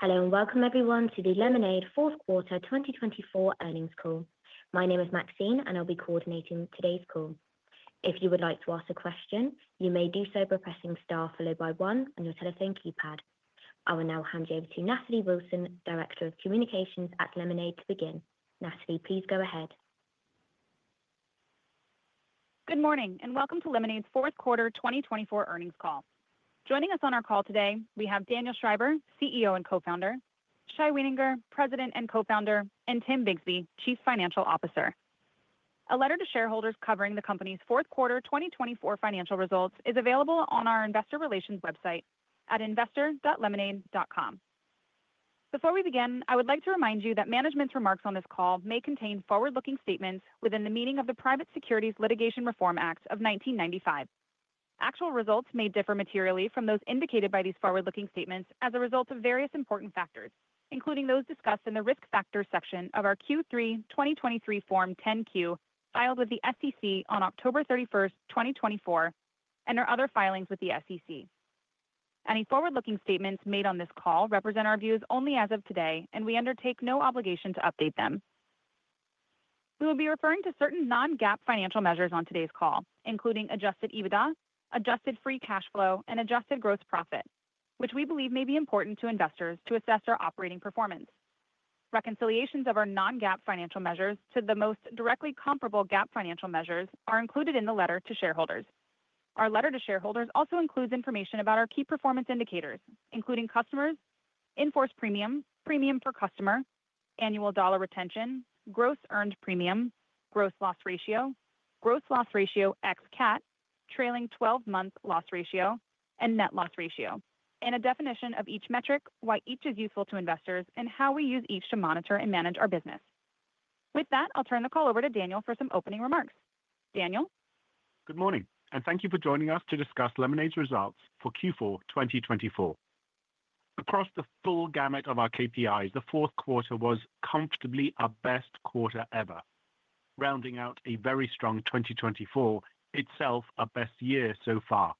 Hello and welcome everyone to the Lemonade Q4 2024 earnings call. My name is Maxine, and I'll be coordinating today's call. If you would like to ask a question, you may do so by pressing star followed by one on your telephone keypad. I will now hand you over to Natalie Wilson, Director of Communications at Lemonade, to begin. Natalie, please go ahead. Good morning, and welcome to Lemonade's Q4 2024 earnings call. Joining us on our call today, we have Daniel Schreiber, CEO and co-founder, Shai Wininger, President and co-founder, and Tim Bixby, Chief Financial Officer. A letter to shareholders covering the company's Q4 2024 financial results is available on our Investor Relations website at investor.lemonade.com. Before we begin, I would like to remind you that management's remarks on this call may contain forward-looking statements within the meaning of the Private Securities Litigation Reform Act of 1995. Actual results may differ materially from those indicated by these forward-looking statements as a result of various important factors, including those discussed in the risk factors section of our Q3 2023 Form 10-Q filed with the SEC on October 31, 2024, and our other filings with the SEC. Any forward-looking statements made on this call represent our views only as of today, and we undertake no obligation to update them. We will be referring to certain non-GAAP financial measures on today's call, including Adjusted EBITDA, Adjusted Free Cash Flow, and Adjusted Gross Profit, which we believe may be important to investors to assess our operating performance. Reconciliations of our non-GAAP financial measures to the most directly comparable GAAP financial measures are included in the letter to shareholders. Our letter to shareholders also includes information about our key performance indicators, including customers, in-Force premium, premium per customer, Annual Dollar Retention, Gross Earned Premium, Gross Loss Ratio, Gross Loss Ratio ex-CAT, Trailing 12-Month Loss Ratio, and Net Loss Ratio, and a definition of each metric, why each is useful to investors, and how we use each to monitor and manage our business. With that, I'll turn the call over to Daniel for some opening remarks. Daniel. Good morning, and thank you for joining us to discuss Lemonade's results for Q4 2024. Across the full gamut of our KPIs, the Q4 was comfortably our best quarter ever, rounding out a very strong 2024, itself our best year so far.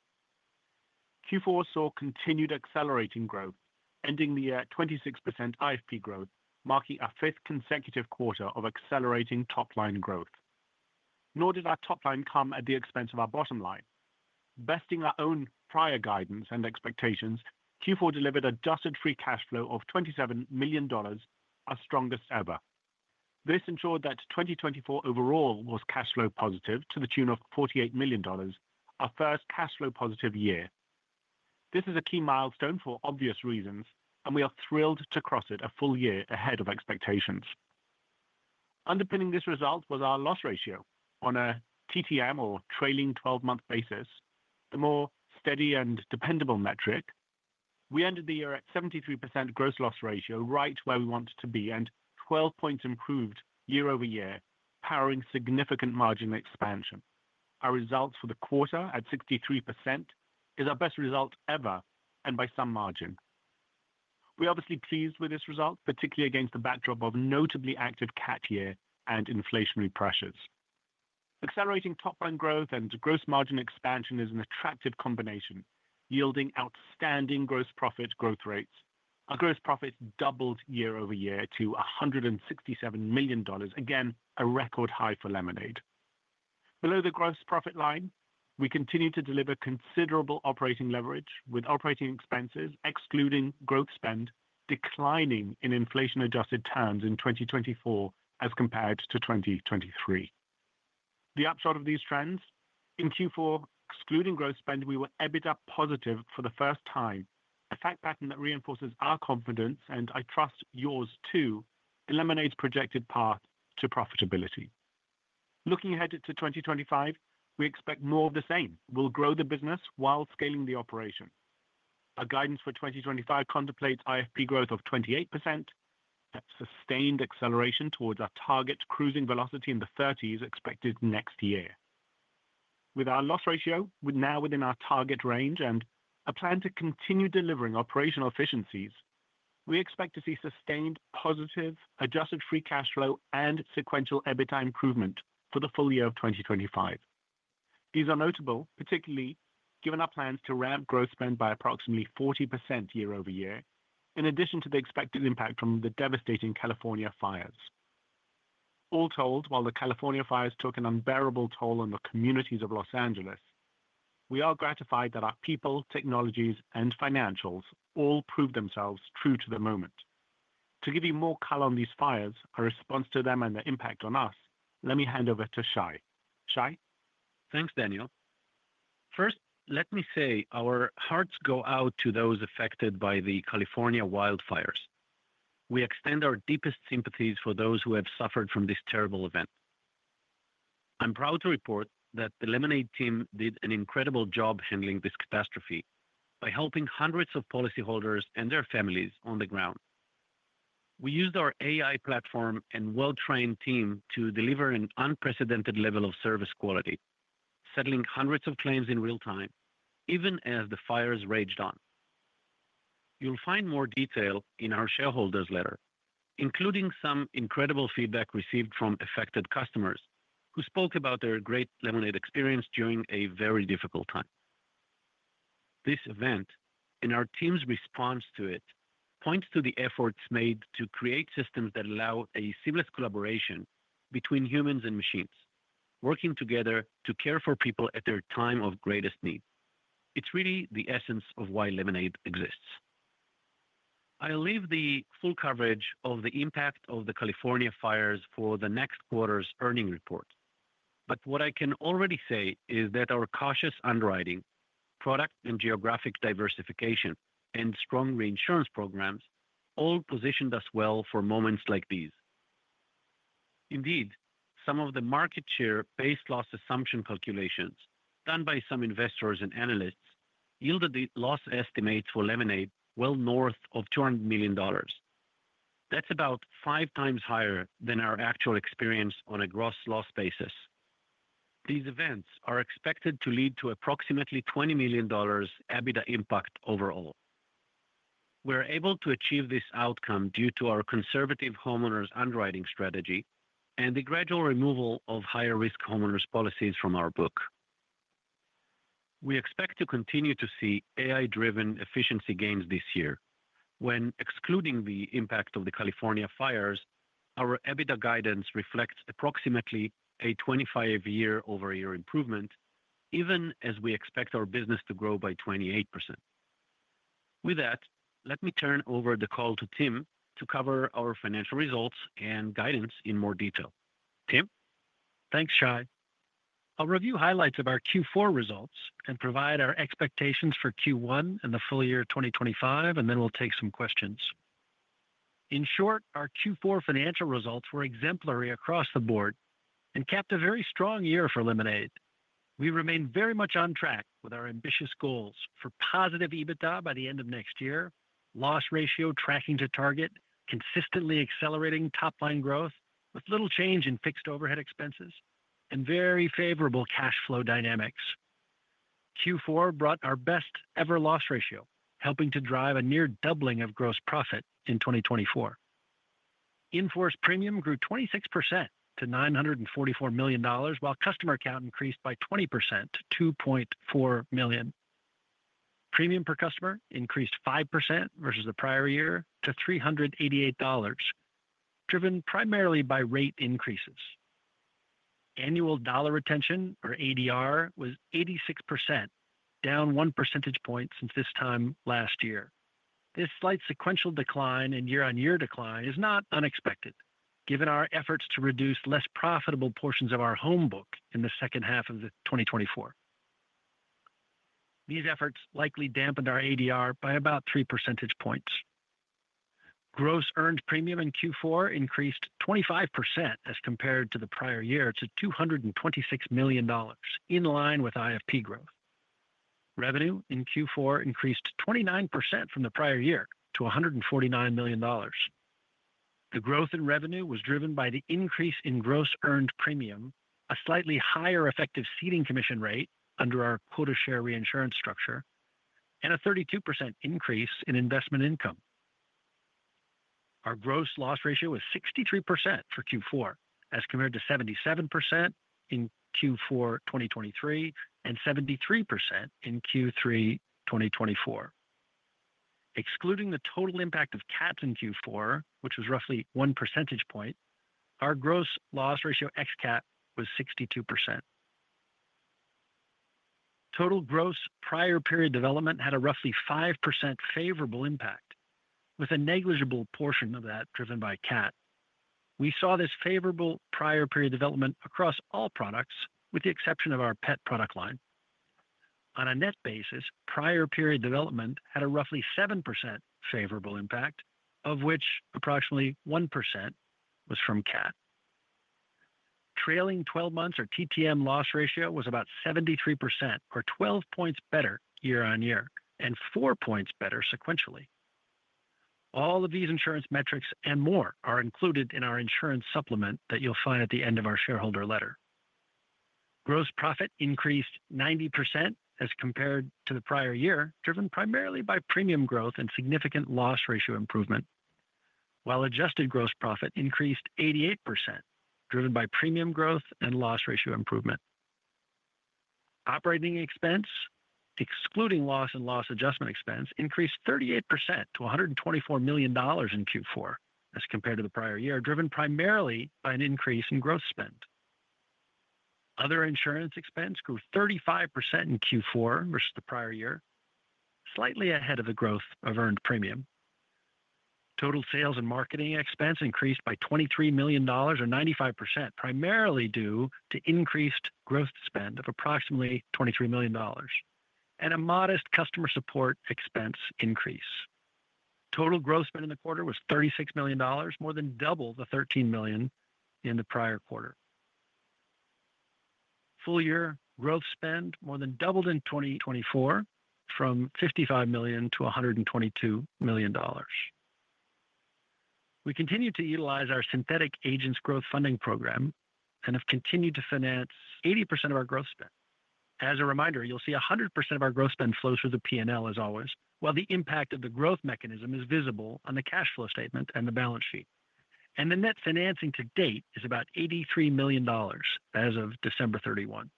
Q4 saw continued accelerating growth, ending the year at 26% IFP growth, marking our fifth consecutive quarter of accelerating top-line growth. Nor did our top-line come at the expense of our bottom line. Besting our own prior guidance and expectations, Q4 delivered adjusted free cash flow of $27 million, our strongest ever. This ensured that 2024 overall was cash flow positive to the tune of $48 million, our first cash flow positive year. This is a key milestone for obvious reasons, and we are thrilled to cross it a full year ahead of expectations. Underpinning this result was our loss ratio. On a TTM, or trailing 12-month basis, the more steady and dependable metric, we ended the year at 73% gross loss ratio, right where we wanted to be, and 12 points improved year-over-year, powering significant margin expansion. Our results for the quarter at 63% is our best result ever, and by some margin. We are obviously pleased with this result, particularly against the backdrop of notably active CAT year and inflationary pressures. Accelerating top-line growth and gross margin expansion is an attractive combination, yielding outstanding gross profit growth rates. Our gross profits doubled year-over-year to $167 million, again a record high for Lemonade. Below the gross profit line, we continue to deliver considerable operating leverage, with operating expenses, excluding growth spend, declining in inflation-adjusted terms in 2024 as compared to 2023. The upshot of these trends? In Q4, excluding growth spend, we were EBITDA positive for the first time, a fact pattern that reinforces our confidence, and I trust yours too, in Lemonade's projected path to profitability. Looking ahead to 2025, we expect more of the same. We'll grow the business while scaling the operation. Our guidance for 2025 contemplates IFP growth of 28%, sustained acceleration towards our target cruising velocity in the 30s expected next year. With our loss ratio now within our target range and a plan to continue delivering operational efficiencies, we expect to see sustained positive adjusted free cash flow and sequential EBITDA improvement for the full year of 2025. These are notable, particularly given our plans to ramp growth spend by approximately 40% year-over-year, in addition to the expected impact from the devastating California fires. All told, while the California fires took an unbearable toll on the communities of Los Angeles, we are gratified that our people, technologies, and financials all proved themselves true to the moment. To give you more color on these fires, our response to them and their impact on us, let me hand over to Shai. Shai? Thanks, Daniel. First, let me say our hearts go out to those affected by the California wildfires. We extend our deepest sympathies for those who have suffered from this terrible event. I'm proud to report that the Lemonade team did an incredible job handling this catastrophe by helping hundreds of policyholders and their families on the ground. We used our AI platform and well-trained team to deliver an unprecedented level of service quality, settling hundreds of claims in real time, even as the fires raged on. You'll find more detail in our shareholders' letter, including some incredible feedback received from affected customers who spoke about their great Lemonade experience during a very difficult time. This event, and our team's response to it, points to the efforts made to create systems that allow a seamless collaboration between humans and machines, working together to care for people at their time of greatest need. It's really the essence of why Lemonade exists. I'll leave the full coverage of the impact of the California fires for the next quarter's earnings report, but what I can already say is that our cautious underwriting, product and geographic diversification, and strong reinsurance programs all positioned us well for moments like these. Indeed, some of the market share-based loss assumption calculations done by some investors and analysts yielded loss estimates for Lemonade well north of $200 million. That's about five times higher than our actual experience on a gross loss basis. These events are expected to lead to approximately $20 million EBITDA impact overall. We're able to achieve this outcome due to our conservative homeowners' underwriting strategy and the gradual removal of higher-risk homeowners' policies from our book. We expect to continue to see AI-driven efficiency gains this year. When excluding the impact of the California fires, our EBITDA guidance reflects approximately a 25% year-over-year improvement, even as we expect our business to grow by 28%. With that, let me turn over the call to Tim to cover our financial results and guidance in more detail. Tim? Thanks, Shai. I'll review highlights of our Q4 results and provide our expectations for Q1 and the full year 2025, and then we'll take some questions. In short, our Q4 financial results were exemplary across the board and capped a very strong year for Lemonade. We remain very much on track with our ambitious goals for positive EBITDA by the end of next year, loss ratio tracking to target, consistently accelerating top-line growth with little change in fixed overhead expenses, and very favorable cash flow dynamics. Q4 brought our best-ever loss ratio, helping to drive a near doubling of gross profit in 2024. In-Force Premium grew 26% to $944 million, while customer count increased by 20% to 2.4 million. Premium per customer increased 5% versus the prior year to $388, driven primarily by rate increases. Annual dollar retention, or ADR, was 86%, down one percentage point since this time last year. This slight sequential decline and year-on-year decline is not unexpected, given our efforts to reduce less profitable portions of our home book in the second half of 2024. These efforts likely dampened our ADR by about three percentage points. Gross earned premium in Q4 increased 25% as compared to the prior year to $226 million, in line with IFP growth. Revenue in Q4 increased 29% from the prior year to $149 million. The growth in revenue was driven by the increase in gross earned premium, a slightly higher effective ceding commission rate under our quota share reinsurance structure, and a 32% increase in investment income. Our gross loss ratio was 63% for Q4, as compared to 77% in Q4 2023 and 73% in Q3 2024. Excluding the total impact of CATs in Q4, which was roughly one percentage point, our gross loss ratio ex-CAT was 62%. Total gross prior period development had a roughly 5% favorable impact, with a negligible portion of that driven by CAT. We saw this favorable prior period development across all products, with the exception of our pet product line. On a net basis, prior period development had a roughly 7% favorable impact, of which approximately 1% was from CAT. Trailing 12 months, or TTM, loss ratio was about 73%, or 12 points better year-on-year and 4 points better sequentially. All of these insurance metrics and more are included in our insurance supplement that you'll find at the end of our shareholder letter. Gross profit increased 90% as compared to the prior year, driven primarily by premium growth and significant loss ratio improvement, while adjusted gross profit increased 88%, driven by premium growth and loss ratio improvement. Operating expense, excluding loss and loss adjustment expense, increased 38% to $124 million in Q4 as compared to the prior year, driven primarily by an increase in growth spend. Other insurance expense grew 35% in Q4 versus the prior year, slightly ahead of the growth of earned premium. Total sales and marketing expense increased by $23 million, or 95%, primarily due to increased growth spend of approximately $23 million and a modest customer support expense increase. Total growth spend in the quarter was $36 million, more than double the $13 million in the prior quarter. Full year growth spend more than doubled in 2024, from $55 million to $122 million. We continue to utilize our Synthetic Agents growth funding program and have continued to finance 80% of our growth spend. As a reminder, you'll see 100% of our growth spend flows through the P&L, as always, while the impact of the growth mechanism is visible on the cash flow statement and the balance sheet, and the net financing to date is about $83 million as of December 31.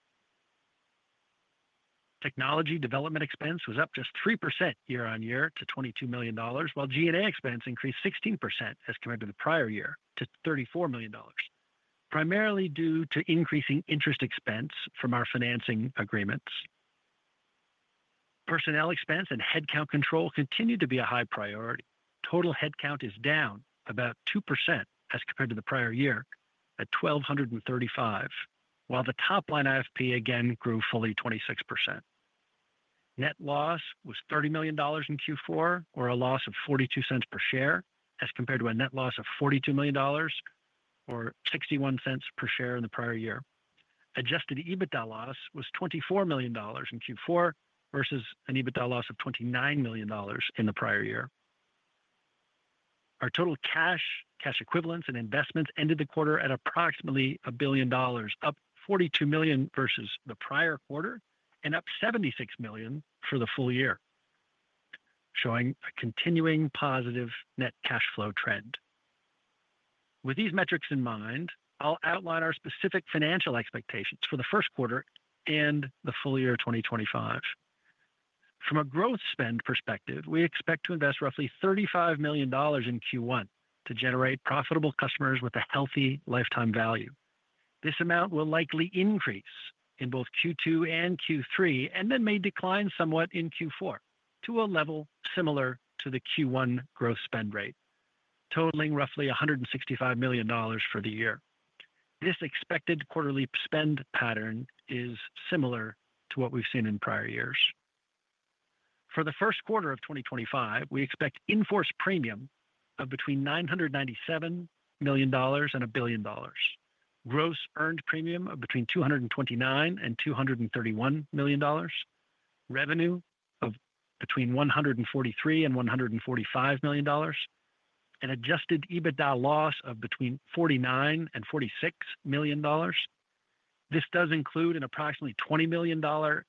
Technology development expense was up just 3% year-on-year to $22 million, while G&A expense increased 16% as compared to the prior year to $34 million, primarily due to increasing interest expense from our financing agreements. Personnel expense and headcount control continue to be a high priority. Total headcount is down about 2% as compared to the prior year at 1,235, while the top-line IFP again grew fully 26%. Net loss was $30 million in Q4, or a loss of $0.42 per share as compared to a net loss of $42 million or $0.61 per share in the prior year. Adjusted EBITDA loss was $24 million in Q4 versus an EBITDA loss of $29 million in the prior year. Our total cash, cash equivalents, and investments ended the quarter at approximately $1 billion, up $42 million versus the prior quarter and up $76 million for the full year, showing a continuing positive net cash flow trend. With these metrics in mind, I'll outline our specific financial expectations for the first quarter and the full year of 2025. From a growth spend perspective, we expect to invest roughly $35 million in Q1 to generate profitable customers with a healthy lifetime value. This amount will likely increase in both Q2 and Q3 and then may decline somewhat in Q4 to a level similar to the Q1 growth spend rate, totaling roughly $165 million for the year. This expected quarterly spend pattern is similar to what we've seen in prior years. For the first quarter of 2025, we expect In-Force Premium of between $997 million and $1 billion, gross earned premium of between $229 and $231 million, revenue of between $143 and $145 million, and Adjusted EBITDA loss of between $49 and $46 million. This does include an approximately $20 million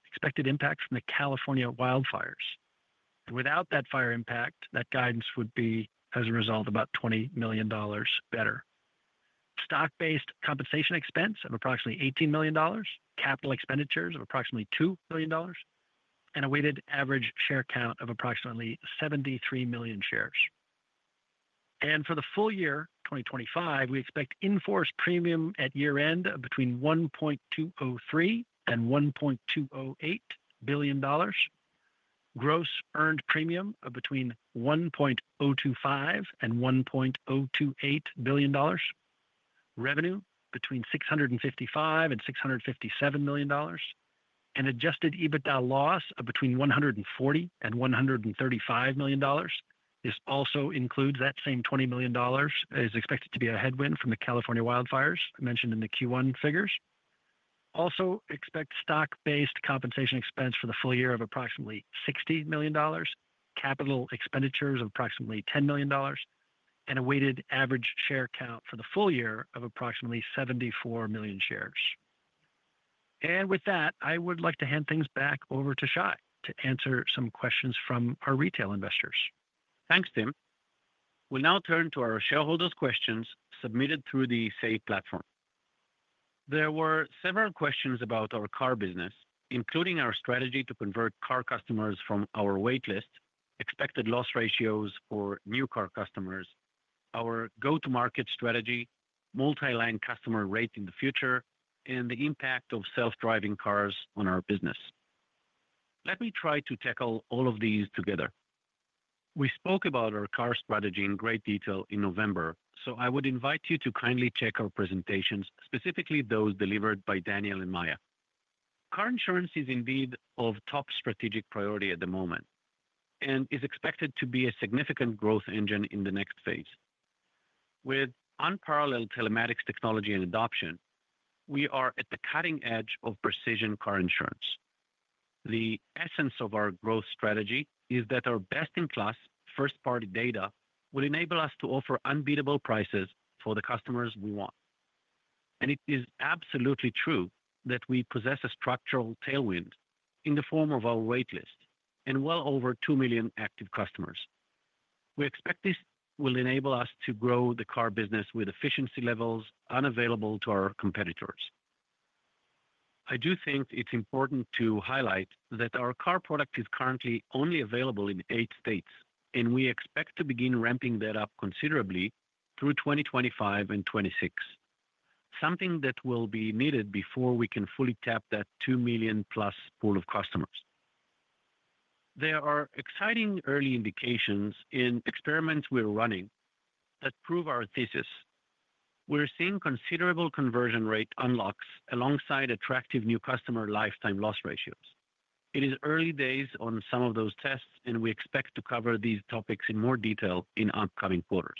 expected impact from the California wildfires. Without that fire impact, that guidance would be, as a result, about $20 million better. Stock-Based Compensation expense of approximately $18 million, capital expenditures of approximately $2 million, and a weighted average share count of approximately 73 million shares, and for the full year 2025, we expect In-Force Premium at year-end of between $1.203 and $1.208 billion, gross earned premium of between $1.025 and $1.028 billion, revenue between $655 and $657 million, and Adjusted EBITDA loss of between $140 and $135 million. This also includes that same $20 million as expected to be a headwind from the California wildfires mentioned in the Q1 figures. Also expect stock-based compensation expense for the full year of approximately $60 million, capital expenditures of approximately $10 million, and a weighted average share count for the full year of approximately 74 million shares. And with that, I would like to hand things back over to Shai to answer some questions from our retail investors. Thanks, Tim. We'll now turn to our shareholders' questions submitted through the Say platform. There were several questions about our car business, including our strategy to convert car customers from our waitlist, expected loss ratios for new car customers, our go-to-market strategy, multi-line customer rate in the future, and the impact of self-driving cars on our business. Let me try to tackle all of these together. We spoke about our car strategy in great detail in November, so I would invite you to kindly check our presentations, specifically those delivered by Daniel and Maya. Car insurance is indeed of top strategic priority at the moment and is expected to be a significant growth engine in the next phase. With unparalleled telematics technology and adoption, we are at the cutting edge of precision car insurance. The essence of our growth strategy is that our best-in-class first-party data will enable us to offer unbeatable prices for the customers we want, and it is absolutely true that we possess a structural tailwind in the form of our waitlist and well over 2 million active customers. We expect this will enable us to grow the car business with efficiency levels unavailable to our competitors. I do think it's important to highlight that our car product is currently only available in eight states, and we expect to begin ramping that up considerably through 2025 and 2026, something that will be needed before we can fully tap that two million-plus pool of customers. There are exciting early indications in experiments we're running that prove our thesis. We're seeing considerable conversion rate unlocks alongside attractive new customer lifetime loss ratios. It is early days on some of those tests, and we expect to cover these topics in more detail in upcoming quarters.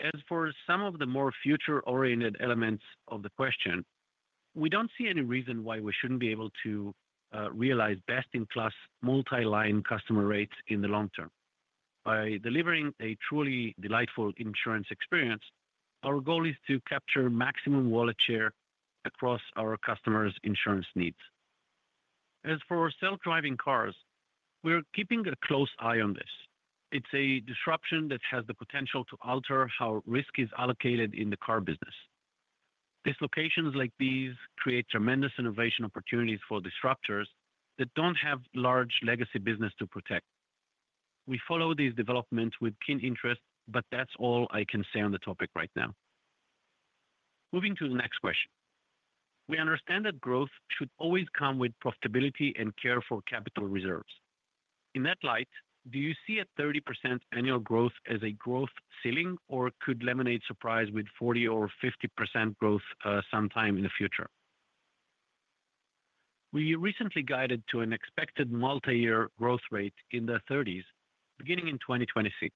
As for some of the more future-oriented elements of the question, we don't see any reason why we shouldn't be able to realize best-in-class multi-line customer rates in the long term. By delivering a truly delightful insurance experience, our goal is to capture maximum wallet share across our customers' insurance needs. As for self-driving cars, we're keeping a close eye on this. It's a disruption that has the potential to alter how risk is allocated in the car business. Dislocations like these create tremendous innovation opportunities for disruptors that don't have large legacy business to protect. We follow these developments with keen interest, but that's all I can say on the topic right now. Moving to the next question. We understand that growth should always come with profitability and care for capital reserves. In that light, do you see a 30% annual growth as a growth ceiling, or could Lemonade surprise with 40% or 50% growth sometime in the future? We recently guided to an expected multi-year growth rate in the 30s beginning in 2026.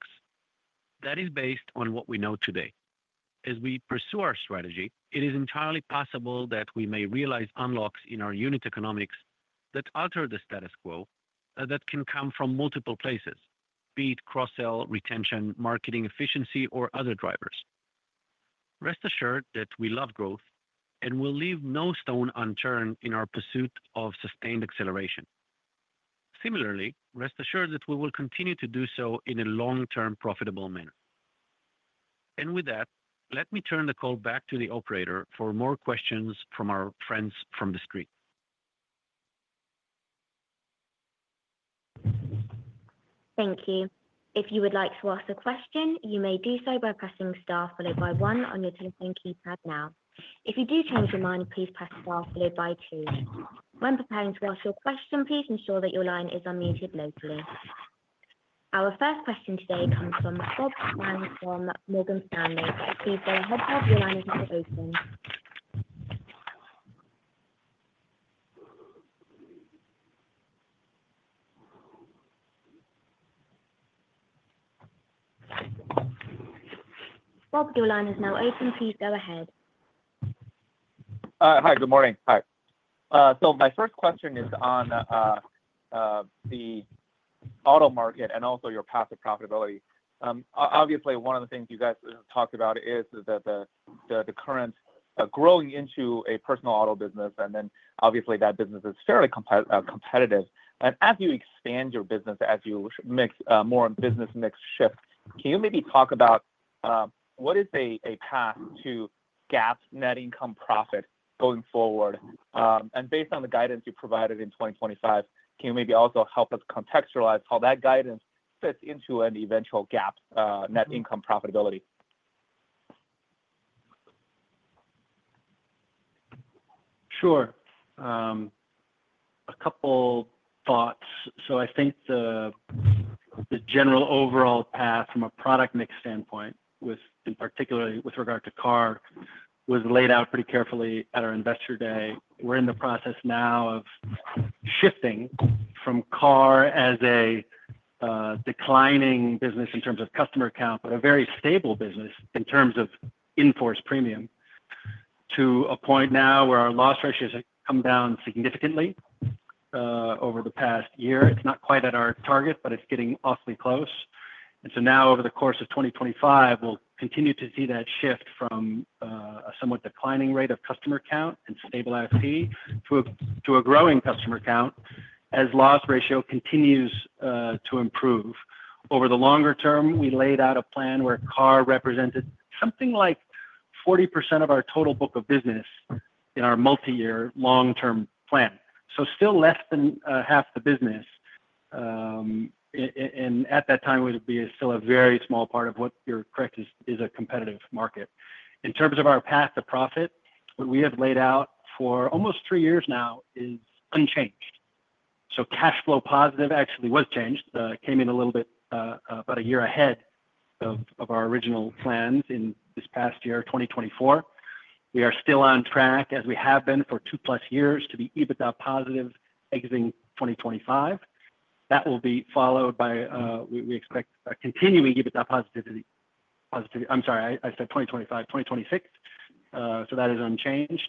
That is based on what we know today. As we pursue our strategy, it is entirely possible that we may realize unlocks in our unit economics that alter the status quo that can come from multiple places, be it cross-sell retention, marketing efficiency, or other drivers. Rest assured that we love growth and will leave no stone unturned in our pursuit of sustained acceleration. Similarly, rest assured that we will continue to do so in a long-term profitable manner. And with that, let me turn the call back to the operator for more questions from our friends from the street. Thank you. If you would like to ask a question, you may do so by pressing star followed by one on your telephone keypad now. If you do change your mind, please press star followed by 2. When preparing to ask your question, please ensure that your line is unmuted locally. Our first question today comes from Bob Huang from Morgan Stanley. Please go ahead, Bob, your line is now open. Bob, your line is now open, please go ahead. Hi, good morning. Hi. So my first question is on the auto market and also your path to profitability. Obviously, one of the things you guys talked about is that you're currently growing into a personal auto business, and then obviously that business is fairly competitive. And as you expand your business, as your business mix shifts, can you maybe talk about what is a path to GAAP net income profitability going forward? And based on the guidance you provided for 2025, can you maybe also help us contextualize how that guidance fits into an eventual GAAP net income profitability? Sure. A couple thoughts. So I think the general overall path from a product mix standpoint, particularly with regard to car, was laid out pretty carefully at our investor day. We're in the process now of shifting from car as a declining business in terms of customer count, but a very stable business in terms of In-Force Premium, to a point now where our loss ratios have come down significantly over the past year. It's not quite at our target, but it's getting awfully close. And so now, over the course of 2025, we'll continue to see that shift from a somewhat declining rate of customer count and stable IFP to a growing customer count as loss ratio continues to improve. Over the longer term, we laid out a plan where car represented something like 40% of our total book of business in our multi-year long-term plan. Still less than half the business. And at that time, it would be still a very small part of what you're correct is a competitive market. In terms of our path to profit, what we have laid out for almost three years now is unchanged. Cash flow positive actually was changed. It came in a little bit about a year ahead of our original plans in this past year, 2024. We are still on track, as we have been for two-plus years, to be EBITDA positive exiting 2025. That will be followed by we expect continuing EBITDA positivity. I'm sorry. I said 2025, 2026. That is unchanged.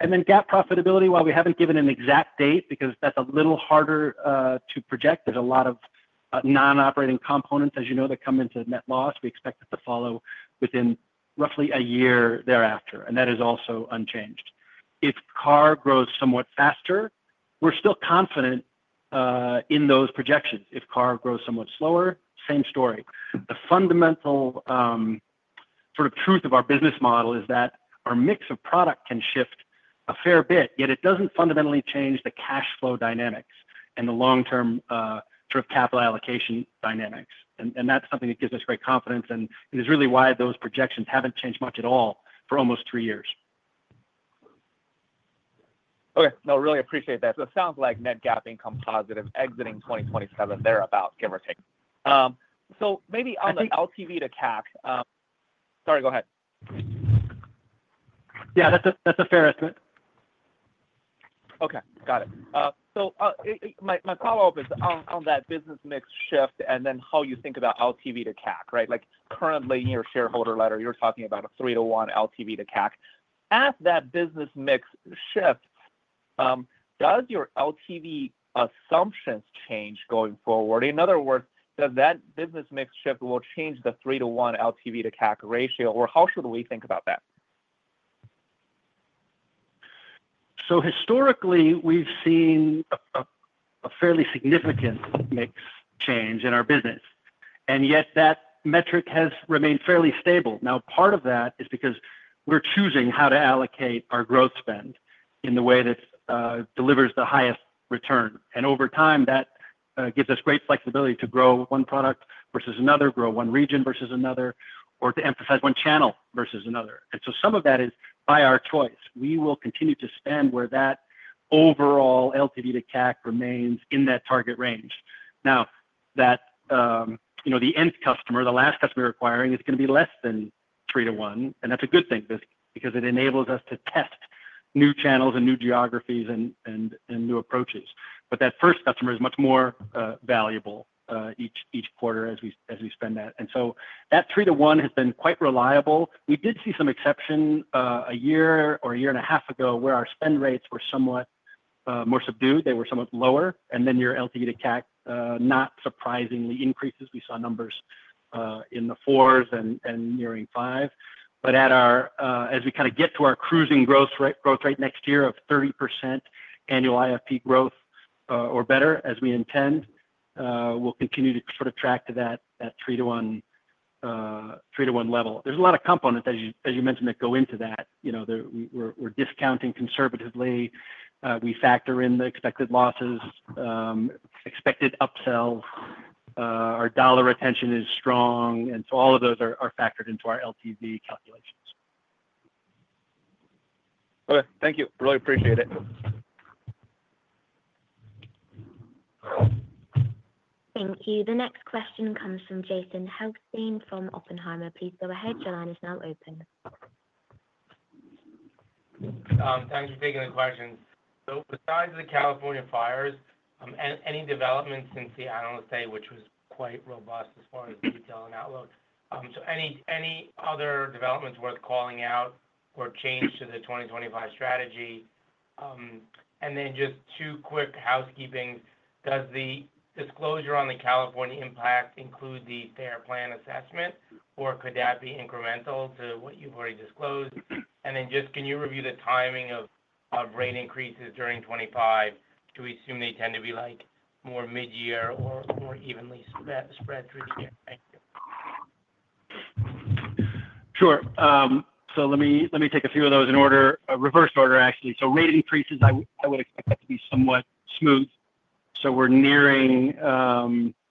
Then GAAP profitability, while we haven't given an exact date because that's a little harder to project, there's a lot of non-operating components, as you know, that come into net loss. We expect it to follow within roughly a year thereafter, and that is also unchanged. If car grows somewhat faster, we're still confident in those projections. If car grows somewhat slower, same story. The fundamental sort of truth of our business model is that our mix of product can shift a fair bit, yet it doesn't fundamentally change the cash flow dynamics and the long-term sort of capital allocation dynamics, and that's something that gives us great confidence, and it is really why those projections haven't changed much at all for almost three years. Okay. No, really appreciate that. So it sounds like net GAAP income positive exiting 2027, thereabouts, give or take. So maybe on the LTV to CAC, sorry, go ahead. Yeah, that's a fair estimate. Okay. Got it. So my follow-up is on that business mix shift and then how you think about LTV to CAC, right? Currently, in your shareholder letter, you're talking about a 3 to 1 LTV to CAC. As that business mix shifts, does your LTV assumptions change going forward? In other words, does that business mix shift will change the 3 to 1 LTV to CAC ratio, or how should we think about that? So historically, we've seen a fairly significant mix change in our business, and yet that metric has remained fairly stable. Now, part of that is because we're choosing how to allocate our growth spend in the way that delivers the highest return. And over time, that gives us great flexibility to grow one product versus another, grow one region versus another, or to emphasize one channel versus another. And so some of that is by our choice. We will continue to spend where that overall LTV to CAC remains in that target range. Now, the end customer, the last customer acquiring, is going to be less than 3 to 1, and that's a good thing because it enables us to test new channels and new geographies and new approaches. But that first customer is much more valuable each quarter as we spend that. And so that 3 to 1 has been quite reliable. We did see some exception a year or a year and a half ago where our spend rates were somewhat more subdued. They were somewhat lower. And then your LTV to CAC, not surprisingly, increases. We saw numbers in the 4s and nearing 5. But as we kind of get to our cruising growth rate next year of 30% annual IFP growth or better, as we intend, we'll continue to sort of track to that 3 to 1 level. There's a lot of components, as you mentioned, that go into that. We're discounting conservatively. We factor in the expected losses, expected upsell. Our dollar retention is strong. And so all of those are factored into our LTV calculations. Okay. Thank you. Really appreciate it. Thank you. The next question comes from Jason Helfstein from Oppenheimer. Please go ahead. Your line is now open. Thanks for taking the question. So besides the California fires, any developments since the Analyst Day, which was quite robust as far as detail and outlook? So any other developments worth calling out or change to the 2025 strategy? And then just two quick housekeepings. Does the disclosure on the California impact include the FAIR Plan assessment, or could that be incremental to what you've already disclosed? And then just can you review the timing of rate increases during 2025? Do we assume they tend to be more mid-year or more evenly spread through the year? Thank you. Sure, so let me take a few of those in reverse order, actually, so rate increases, I would expect that to be somewhat smooth, so we're nearing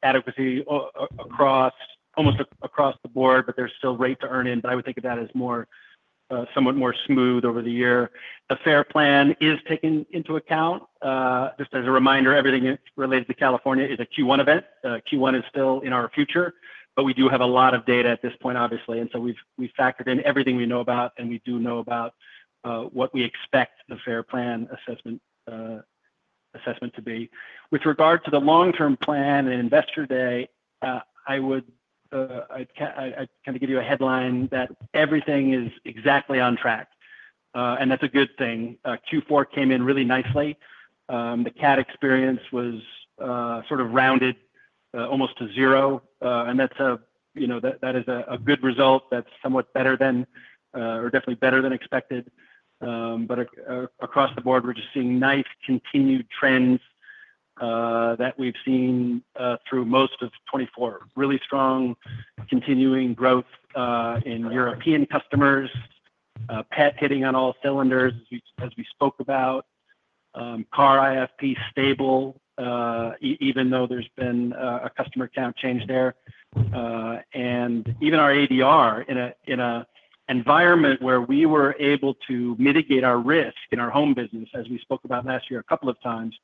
adequacy almost across the board, but there's still rate to earn in, but I would think of that as somewhat more smooth over the year. The FAIR Plan is taken into account. Just as a reminder, everything related to California is a Q1 event. Q1 is still in our future, but we do have a lot of data at this point, obviously, and so we've factored in everything we know about, and we do know about what we expect the FAIR Plan assessment to be. With regard to the long-term plan and Investor Day, I'd kind of give you a headline that everything is exactly on track, and that's a good thing. Q4 came in really nicely. The CAT experience was sort of rounded almost to zero, and that is a good result. That's somewhat better than, or definitely better than, expected, but across the board, we're just seeing nice continued trends that we've seen through most of 2024. Really strong continuing growth in European customers, pet hitting on all cylinders, as we spoke about. Car IFP stable, even though there's been a customer count change there, and even our ADR, in an environment where we were able to mitigate our risk in our home business, as we spoke about last year a couple of times,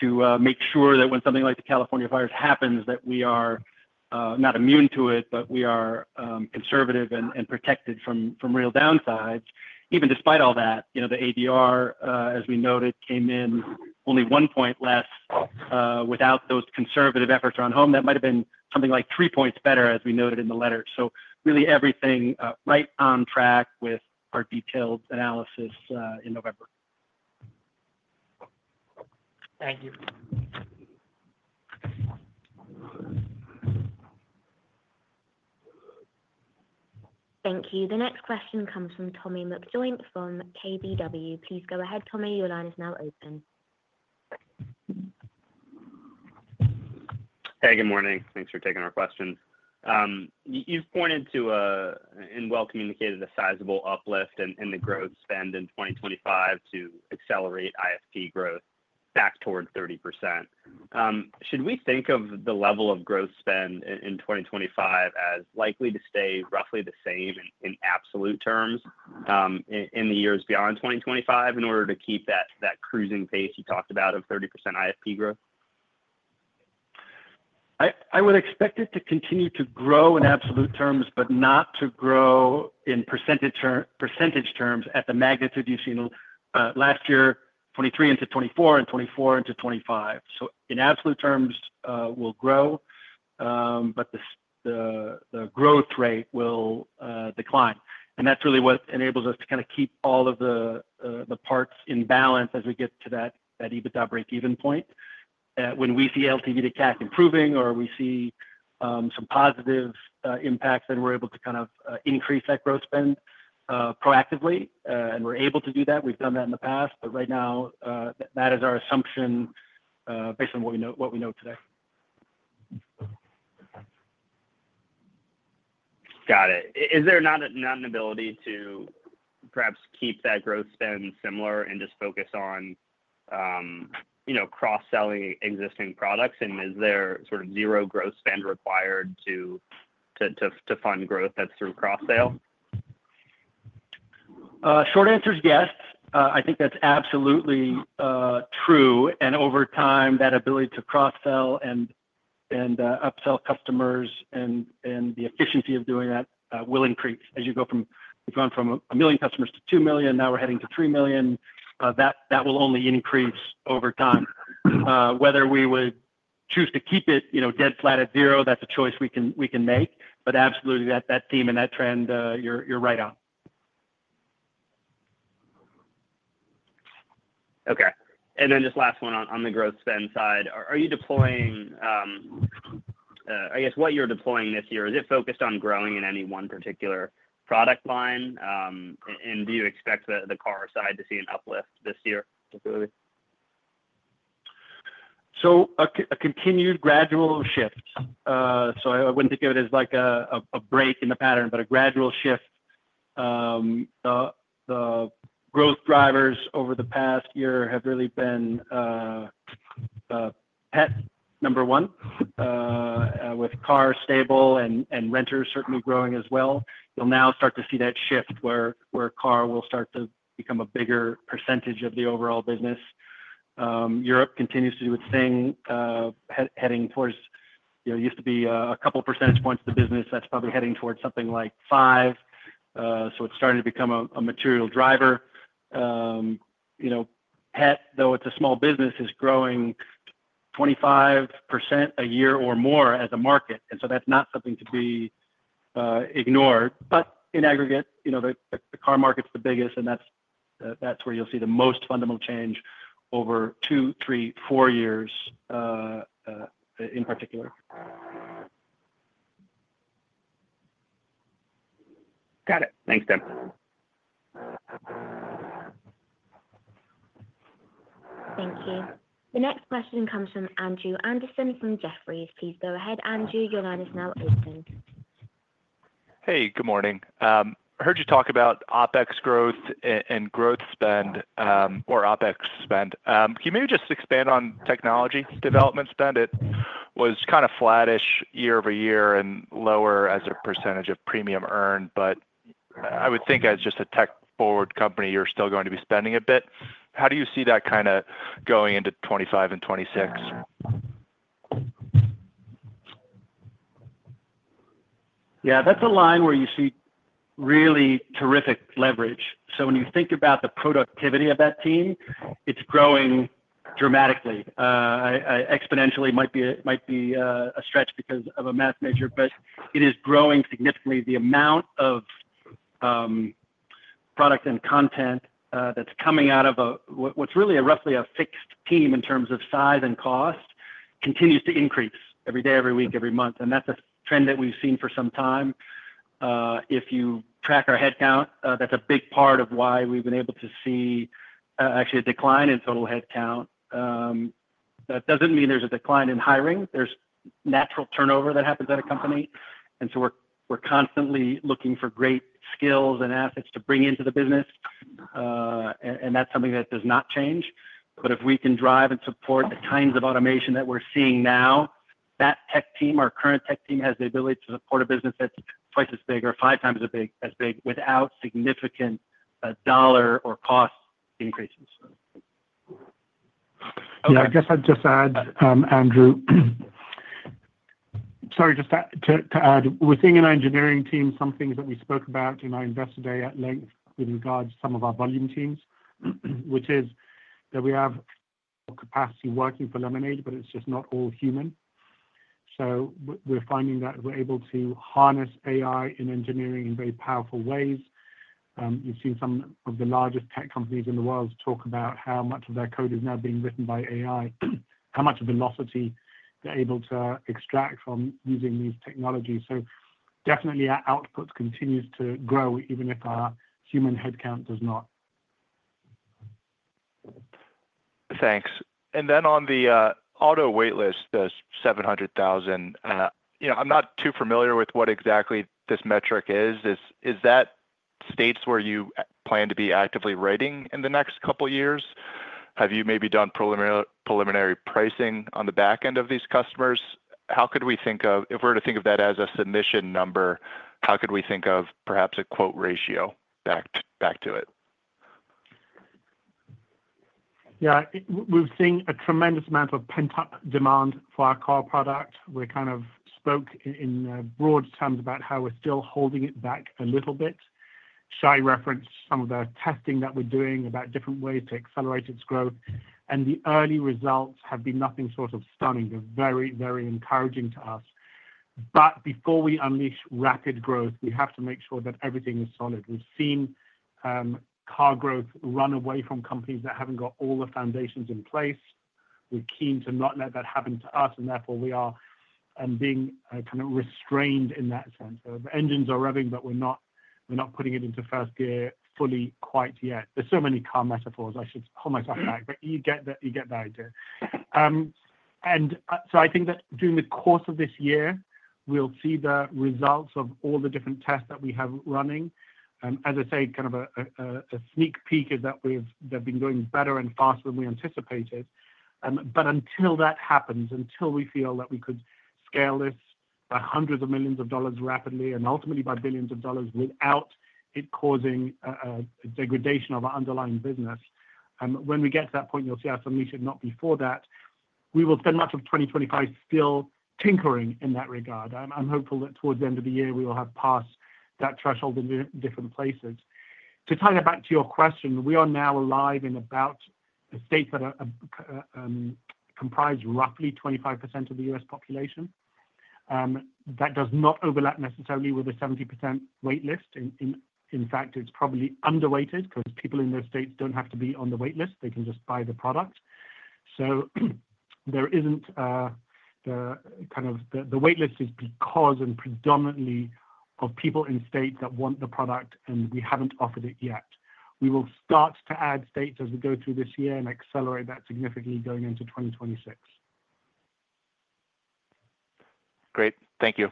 to make sure that when something like the California fires happens, that we are not immune to it, but we are conservative and protected from real downsides. Even despite all that, the ADR, as we noted, came in only one point less without those conservative efforts around home. That might have been something like three points better, as we noted in the letter. So really everything right on track with our detailed analysis in November. Thank you. Thank you. The next question comes from Tommy McJoynt from KBW. Please go ahead, Tommy. Your line is now open. Hey, good morning. Thanks for taking our question. You've pointed to, and well communicated, a sizable uplift in the growth spend in 2025 to accelerate IFP growth back toward 30%. Should we think of the level of growth spend in 2025 as likely to stay roughly the same in absolute terms in the years beyond 2025 in order to keep that cruising pace you talked about of 30% IFP growth? I would expect it to continue to grow in absolute terms, but not to grow in percentage terms at the magnitude you've seen last year, 2023 into 2024 and 2024 into 2025, so in absolute terms, we'll grow, but the growth rate will decline, and that's really what enables us to kind of keep all of the parts in balance as we get to that EBITDA break-even point. When we see LTV to CAC improving or we see some positive impacts, then we're able to kind of increase that growth spend proactively, and we're able to do that. We've done that in the past, but right now, that is our assumption based on what we know today. Got it. Is there not an ability to perhaps keep that growth spend similar and just focus on cross-selling existing products? And is there sort of zero growth spend required to fund growth that's through cross-sell? Short answer is yes. I think that's absolutely true. And over time, that ability to cross-sell and upsell customers and the efficiency of doing that will increase. As we've gone from a million customers to 2 million, now we're heading to 3 million. That will only increase over time. Whether we would choose to keep it dead flat at zero, that's a choice we can make. But absolutely, that theme and that trend, you're right on. Okay. And then just last one on the growth spend side. Are you deploying I guess what you're deploying this year, is it focused on growing in any one particular product line? And do you expect the car side to see an uplift this year particularly? So a continued gradual shift. So I wouldn't think of it as like a break in the pattern, but a gradual shift. The growth drivers over the past year have really been pet number one, with car stable and renters certainly growing as well. You'll now start to see that shift where car will start to become a bigger percentage of the overall business. Europe continues to do its thing, heading towards, it used to be a couple of percentage points of the business. That's probably heading towards something like five. So it's starting to become a material driver. Pet, though it's a small business, is growing 25% a year or more as a market. And so that's not something to be ignored. But in aggregate, the car market's the biggest, and that's where you'll see the most fundamental change over two, three, four years in particular. Got it. Thanks, Tim. Thank you. The next question comes from Andrew Andersen from Jefferies. Please go ahead, Andrew. Your line is now open. Hey, good morning. Heard you talk about OpEx growth and growth spend or OpEx spend. Can you maybe just expand on technology development spend? It was kind of flattish year-over-year and lower as a percentage of premium earned, but I would think as just a tech-forward company, you're still going to be spending a bit. How do you see that kind of going into 2025 and 2026? Yeah, that's a line where you see really terrific leverage. So when you think about the productivity of that team, it's growing dramatically. Exponentially might be a stretch because of a math major, but it is growing significantly. The amount of product and content that's coming out of what's really roughly a fixed team in terms of size and cost continues to increase every day, every week, every month. And that's a trend that we've seen for some time. If you track our headcount, that's a big part of why we've been able to see actually a decline in total headcount. That doesn't mean there's a decline in hiring. There's natural turnover that happens at a company. And so we're constantly looking for great skills and assets to bring into the business. And that's something that does not change. But if we can drive and support the kinds of automation that we're seeing now, that tech team, our current tech team, has the ability to support a business that's twice as big or five times as big without significant dollar or cost increases. Yeah, I guess I'd just add, Andrew sorry, just to add, within our engineering team, some things that we spoke about in our Investor Day at length with regards to some of our volume teams, which is that we have capacity working for Lemonade, but it's just not all human. So we're finding that we're able to harness AI in engineering in very powerful ways. You've seen some of the largest tech companies in the world talk about how much of their code is now being written by AI, how much velocity they're able to extract from using these technologies. So definitely, our output continues to grow even if our human headcount does not. Thanks. And then on the auto waitlist, the 700,000, I'm not too familiar with what exactly this metric is. Is that states where you plan to be actively rating in the next couple of years? Have you maybe done preliminary pricing on the back end of these customers? How could we think of if we're to think of that as a submission number, how could we think of perhaps a quote ratio back to it? Yeah, we've seen a tremendous amount of pent-up demand for our car product. We kind of spoke in broad terms about how we're still holding it back a little bit. Shai referenced some of the testing that we're doing about different ways to accelerate its growth, and the early results have been nothing short of stunning. They're very, very encouraging to us, but before we unleash rapid growth, we have to make sure that everything is solid. We've seen car growth run away from companies that haven't got all the foundations in place. We're keen to not let that happen to us, and therefore we are being kind of restrained in that sense, so the engines are revving, but we're not putting it into first gear fully quite yet. There's so many car metaphors. I should hold myself back, but you get the idea. And so I think that during the course of this year, we'll see the results of all the different tests that we have running. As I say, kind of a sneak peek is that they've been going better and faster than we anticipated. But until that happens, until we feel that we could scale this by hundreds of millions of dollars rapidly and ultimately by billions of dollars without it causing a degradation of our underlying business, when we get to that point, you'll see our submission not before that. We will spend much of 2025 still tinkering in that regard. I'm hopeful that towards the end of the year, we will have passed that threshold in different places. To tie that back to your question, we are now alive in about a state that comprises roughly 25% of the U.S. population. That does not overlap, necessarily, with a 70% waitlist. In fact, it's probably underweighted because people in those states don't have to be on the waitlist. They can just buy the product, so the waitlist is because, and predominantly, of people in states that want the product, and we haven't offered it yet. We will start to add states as we go through this year and accelerate that significantly going into 2026. Great. Thank you.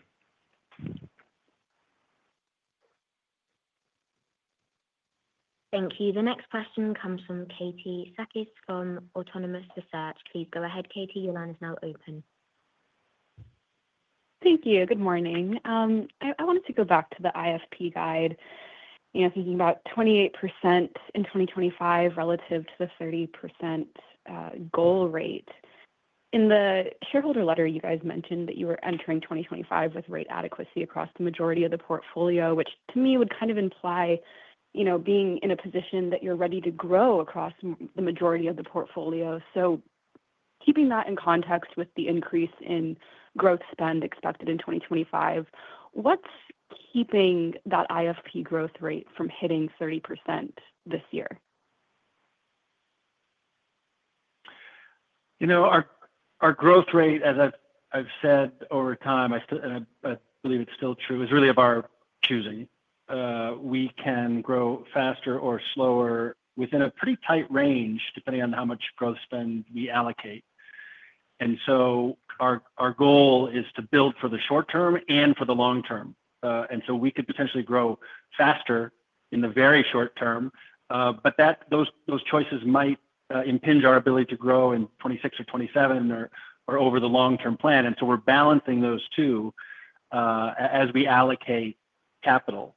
Thank you. The next question comes from Katie Sakys from Autonomous Research. Please go ahead, Katie. Your line is now open. Thank you. Good morning. I wanted to go back to the IFP guide, thinking about 28% in 2025 relative to the 30% growth rate. In the shareholder letter, you guys mentioned that you were entering 2025 with rate adequacy across the majority of the portfolio, which to me would kind of imply being in a position that you're ready to grow across the majority of the portfolio, so keeping that in context with the increase in growth spend expected in 2025, what's keeping that IFP growth rate from hitting 30% this year? Our growth rate, as I've said over time, I believe it's still true, is really of our choosing. We can grow faster or slower within a pretty tight range, depending on how much growth spend we allocate. And so our goal is to build for the short term and for the long term. And so we could potentially grow faster in the very short term, but those choices might impinge our ability to grow in 2026 or 2027 or over the long-term plan. And so we're balancing those two as we allocate capital.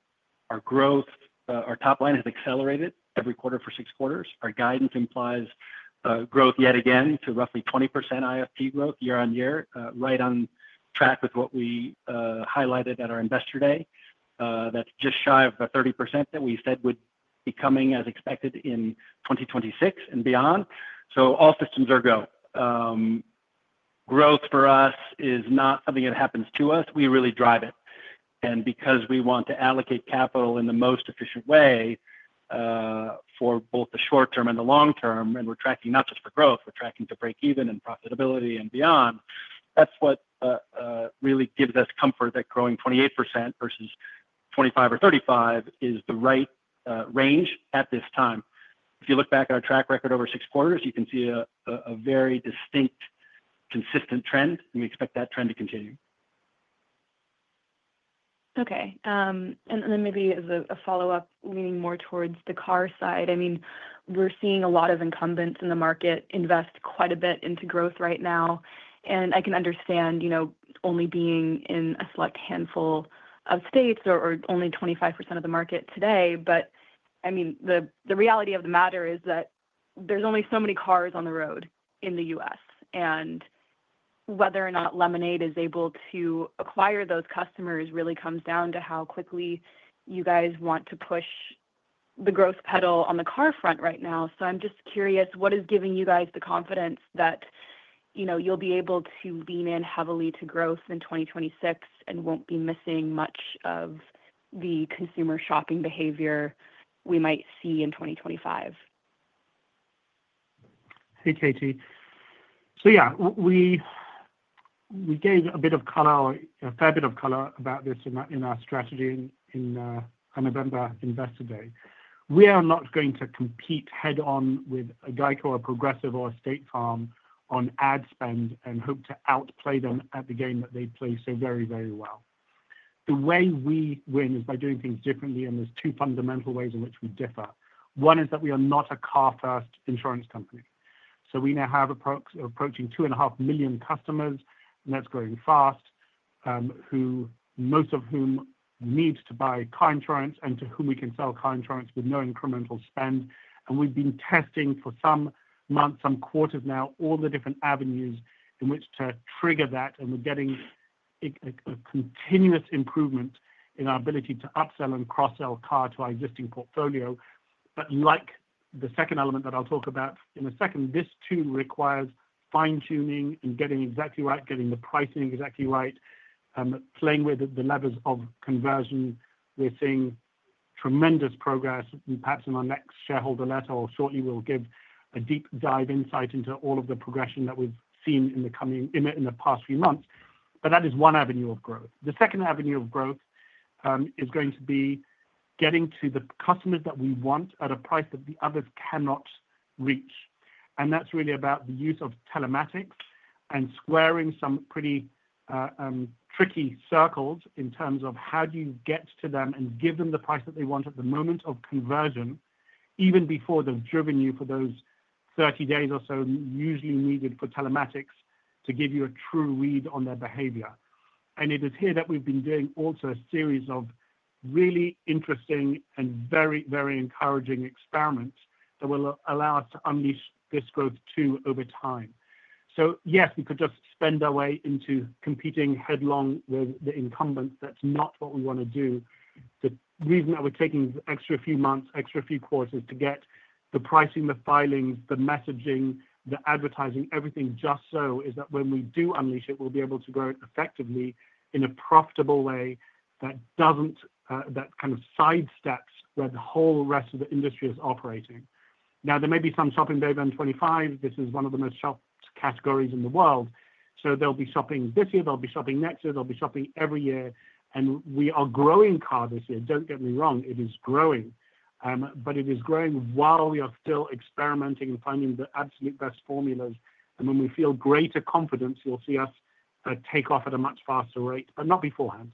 Our growth, our top line has accelerated every quarter for six quarters. Our guidance implies growth yet again to roughly 20% IFP growth year-on-year, right on track with what we highlighted at our Investor Day. That's just shy of the 30% that we said would be coming as expected in 2026 and beyond. All systems are go. Growth for us is not something that happens to us. We really drive it. And because we want to allocate capital in the most efficient way for both the short term and the long term, and we're tracking not just for growth, we're tracking to break even and profitability and beyond, that's what really gives us comfort that growing 28% versus 25% or 35% is the right range at this time. If you look back at our track record over six quarters, you can see a very distinct consistent trend, and we expect that trend to continue. Okay. And then maybe as a follow-up, leaning more towards the car side, I mean, we're seeing a lot of incumbents in the market invest quite a bit into growth right now. And I can understand only being in a select handful of states or only 25% of the market today. But I mean, the reality of the matter is that there's only so many cars on the road in the U.S. And whether or not Lemonade is able to acquire those customers really comes down to how quickly you guys want to push the growth pedal on the car front right now. So I'm just curious, what is giving you guys the confidence that you'll be able to lean in heavily to growth in 2026 and won't be missing much of the consumer shopping behavior we might see in 2025? Hey, Katie. So yeah, we gave a bit of color, a fair bit of color about this in our strategy in our November Investor Day. We are not going to compete head-on with a GEICO or Progressive or a State Farm on ad spend and hope to outplay them at the game that they play so very, very well. The way we win is by doing things differently, and there's two fundamental ways in which we differ. One is that we are not a car-first insurance company. So we now have approaching 2.5 million customers, and that's going fast, most of whom need to buy car insurance and to whom we can sell car insurance with no incremental spend. And we've been testing for some months, some quarters now, all the different avenues in which to trigger that. And we're getting a continuous improvement in our ability to upsell and cross-sell car to our existing portfolio. But, like the second element that I'll talk about in a second, this too requires fine-tuning and getting exactly right, getting the pricing exactly right, playing with the levers of conversion. We're seeing tremendous progress, perhaps in our next shareholder letter, or shortly we'll give a deep dive insight into all of the progression that we've seen in the past few months. But that is one avenue of growth. The second avenue of growth is going to be getting to the customers that we want at a price that the others cannot reach. And that's really about the use of telematics and squaring some pretty tricky circles in terms of how do you get to them and give them the price that they want at the moment of conversion, even before they've driven you for those 30 days or so usually needed for telematics to give you a true read on their behavior. And it is here that we've been doing also a series of really interesting and very, very encouraging experiments that will allow us to unleash this growth too over time. So yes, we could just spend our way into competing headlong with the incumbents. That's not what we want to do. The reason that we're taking extra few months, extra few quarters to get the pricing, the filings, the messaging, the advertising, everything just so is that when we do unleash it, we'll be able to grow it effectively in a profitable way that kind of sidesteps where the whole rest of the industry is operating. Now, there may be some shopping today around 2025. This is one of the most shopped categories in the world. So they'll be shopping this year. They'll be shopping next year. They'll be shopping every year. And we are growing car this year. Don't get me wrong, it is growing. But it is growing while we are still experimenting and finding the absolute best formulas. And when we feel greater confidence, you'll see us take off at a much faster rate, but not beforehand.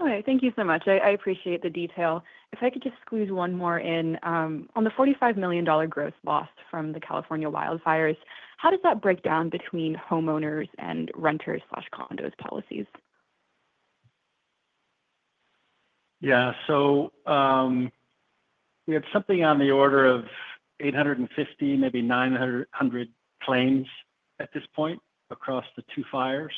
All right. Thank you so much. I appreciate the detail. If I could just squeeze one more in. On the $45 million gross loss from the California wildfires, how does that break down between homeowners and renters/condos policies? Yeah. So we have something on the order of 850, maybe 900 claims at this point across the two fires.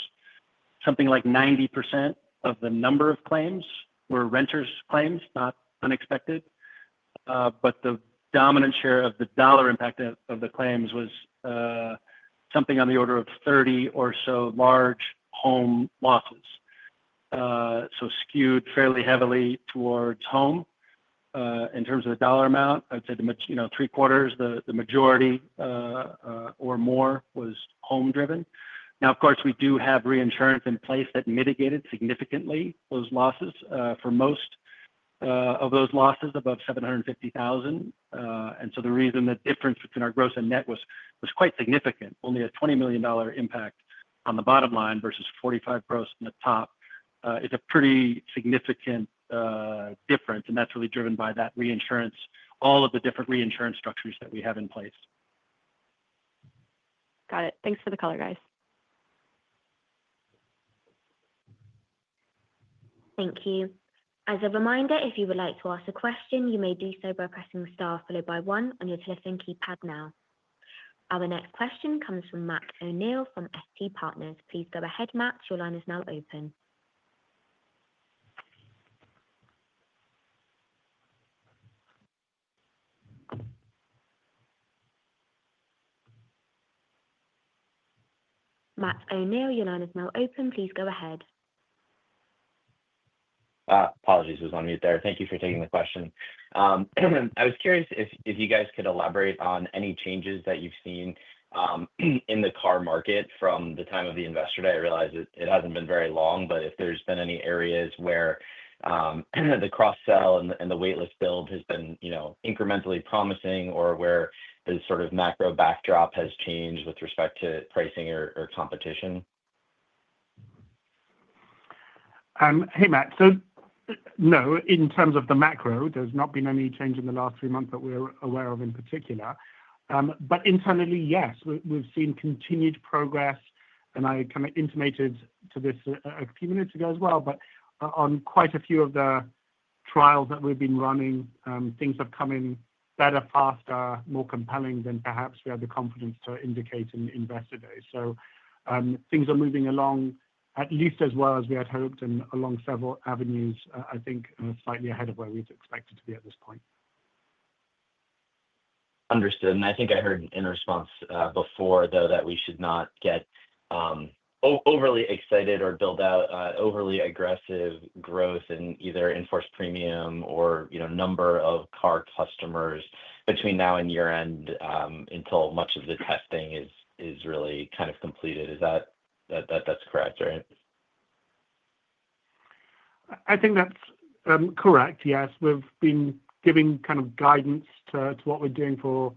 Something like 90% of the number of claims were renters' claims, not unexpected. But the dominant share of the dollar impact of the claims was something on the order of 30 or so large home losses. So skewed fairly heavily towards home. In terms of the dollar amount, I'd say three-quarters, the majority or more was home-driven. Now, of course, we do have reinsurance in place that mitigated significantly those losses for most of those losses above $750,000. And so the reason the difference between our gross and net was quite significant. Only a $20 million impact on the bottom line versus $45 million gross on the top. It's a pretty significant difference, and that's really driven by that reinsurance, all of the different reinsurance structures that we have in place. Got it. Thanks for the color, guys. Thank you. As a reminder, if you would like to ask a question, you may do so by pressing the star followed by one on your telephone keypad now. Our next question comes from Matt O'Neill from FT Partners. Please go ahead, Matt. Your line is now open. Matt O'Neill, your line is now open. Please go ahead. Apologies. I was on mute there. Thank you for taking the question. I was curious if you guys could elaborate on any changes that you've seen in the car market from the time of the Investor Day. I realize it hasn't been very long, but if there's been any areas where the cross-sell and the waitlist build has been incrementally promising or where the sort of macro backdrop has changed with respect to pricing or competition. Hey, Matt. So no, in terms of the macro, there's not been any change in the last three months that we're aware of in particular. But internally, yes, we've seen continued progress. And I kind of intimated to this a few minutes ago as well, but on quite a few of the trials that we've been running, things have come in better, faster, more compelling than perhaps we had the confidence to indicate in Investor Day. So things are moving along at least as well as we had hoped and along several avenues, I think, slightly ahead of where we'd expected to be at this point. Understood. And I think I heard in response before, though, that we should not get overly excited or build out overly aggressive growth in either in-Force Premium or number of car customers between now and year-end until much of the testing is really kind of completed. Is that correct, right? I think that's correct. Yes. We've been giving kind of guidance to what we're doing for,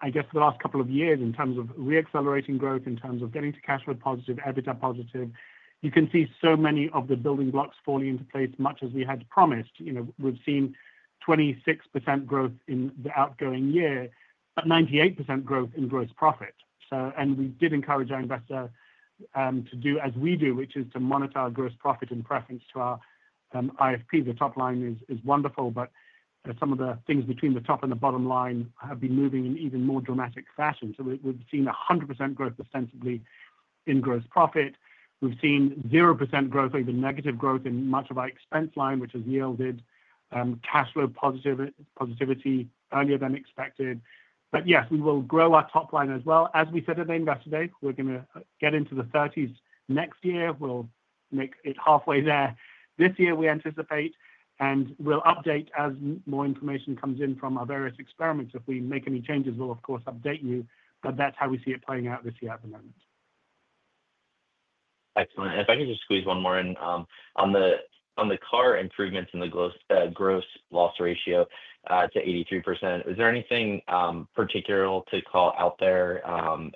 I guess, the last couple of years in terms of reaccelerating growth, in terms of getting to cash flow positive, EBITDA positive. You can see so many of the building blocks falling into place, much as we had promised. We've seen 26% growth in the outgoing year, but 98% growth in gross profit. And we did encourage our investor to do as we do, which is to monitor our gross profit in preference to our IFP. The top line is wonderful, but some of the things between the top and the bottom line have been moving in even more dramatic fashion. So we've seen 100% growth ostensibly in gross profit. We've seen 0% growth or even negative growth in much of our expense line, which has yielded cash flow positivity earlier than expected. But yes, we will grow our top line as well. As we said at the Investor Day, we're going to get into the 30s next year. We'll make it halfway there. This year we anticipate, and we'll update as more information comes in from our various experiments. If we make any changes, we'll, of course, update you. But that's how we see it playing out this year at the moment. Excellent. If I could just squeeze one more in on the car improvements in the gross loss ratio to 83%, is there anything particular to call out there?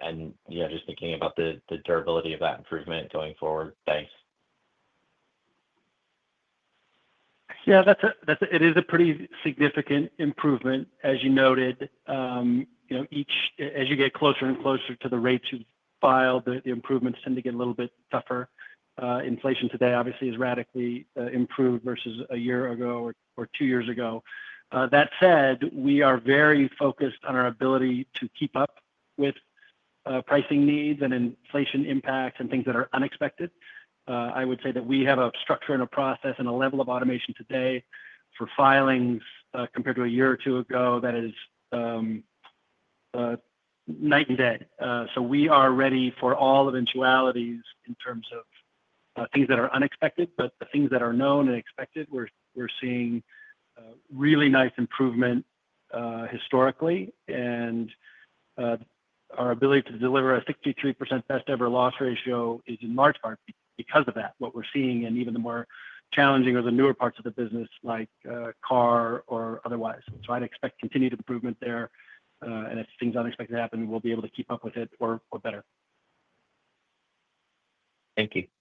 And just thinking about the durability of that improvement going forward, thanks. Yeah, it is a pretty significant improvement, as you noted. As you get closer and closer to the rates you file, the improvements tend to get a little bit tougher. Inflation today, obviously, has radically improved versus a year ago or two years ago. That said, we are very focused on our ability to keep up with pricing needs and inflation impacts and things that are unexpected. I would say that we have a structure and a process and a level of automation today for filings compared to a year or two ago that is night and day. So we are ready for all eventualities in terms of things that are unexpected, but the things that are known and expected, we're seeing really nice improvement historically. And our ability to deliver a 63% best-ever loss ratio is in large part because of that, what we're seeing in even the more challenging or the newer parts of the business like car or otherwise. So I'd expect continued improvement there. And if things unexpected happen, we'll be able to keep up with it or better. Thank you.